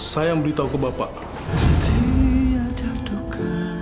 saya yang beritahu ke bapak